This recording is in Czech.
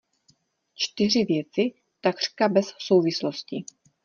Čtyři věci takřka bez souvislosti.